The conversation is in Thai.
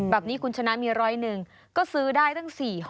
แบบนี้คุณชนะมี๑๐๑ก็ซื้อได้ตั้ง๔ห้อ